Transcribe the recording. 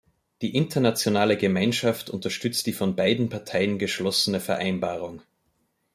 Die internationale Gemeinschaft unterstützt die von beiden Parteien geschlossene Vereinbarung.